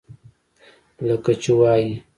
لکه چې وائي: